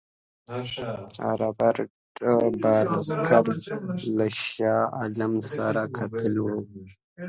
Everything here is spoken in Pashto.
رابرټ بارکر له شاه عالم سره کتلي وه.